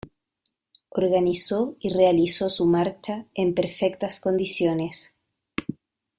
Organizó y realizó su marcha en perfectas condiciones.